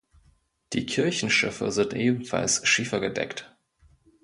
Die Kirchenschiffe sind ebenfalls schiefergedeckt.